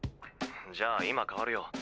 ☎じゃあ今代わるよ。